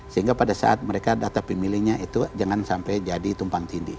sehingga pada saat mereka data pemilihnya itu jangan sampai jadi tumpang tindih